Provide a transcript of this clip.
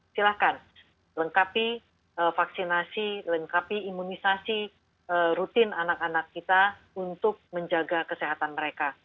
silahkan lengkapi vaksinasi lengkapi imunisasi rutin anak anak kita untuk menjaga kesehatan mereka